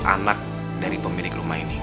cinta tuh anak dari pemilik rumah ini